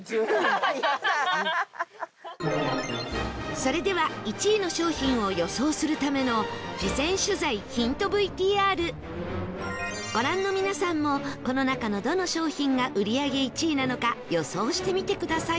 それでは１位の商品を予想するための事前取材ヒント ＶＴＲご覧の皆さんもこの中のどの商品が売り上げ１位なのか予想してみてください